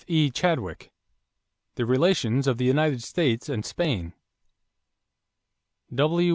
E. Chadwick, The Relations of the United States and Spain. W.